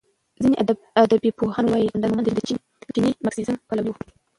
ځینې ادبپوهان وايي قلندر مومند د چیني مارکسیزم پلوی و.